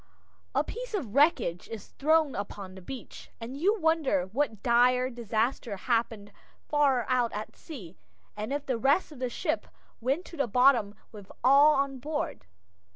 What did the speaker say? A piece of wreckage is thrown upon the beach, and you wonder what dire disaster happened far out at sea, and if the rest of the ship went to the bottom with all on board.